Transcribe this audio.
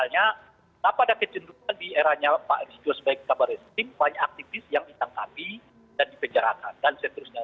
halnya tak pada kecenderungan di eranya pak lestio sebagai kabar resim banyak aktivis yang ditangkapi dan dipejarakan dan seterusnya